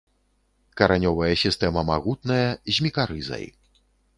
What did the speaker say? Каранёвая сістэма магутная, з мікарызай.